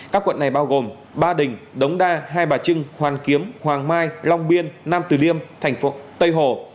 các quận này bao gồm ba đình đống đa hai bà trưng hoàn kiếm hoàng mai long biên nam từ liêm thành phố tây hồ